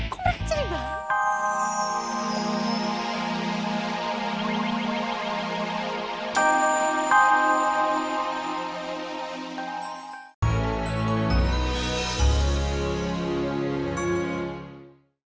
komentar aja iba